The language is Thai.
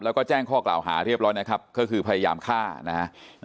แล้วก็แจ้งข้อกล่าวหาเรียบร้อยนะครับก็คือพยายามฆ่านะฮะ